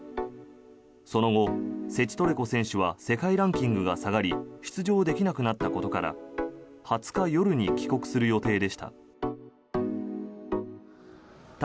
その後、セチトレコ選手は世界ランキングが下がり出場できなくなったことから２０日夜に帰国する予定でした。